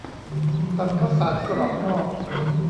ตำข้าวสารกรอกหม้อ